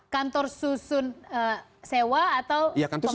kantor susun sewa atau pemerintah yang berusur